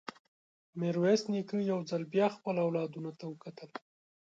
ميرويس نيکه يو ځل بيا خپلو اولادونو ته وکتل.